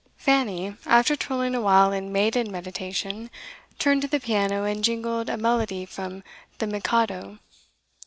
Fanny, after twirling awhile in maiden meditation, turned to the piano and jingled a melody from 'The Mikado.